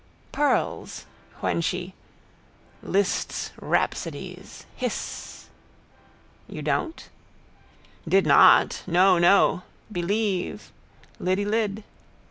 Pearls: when she. Liszt's rhapsodies. Hissss. You don't? Did not: no, no: believe: Lidlyd.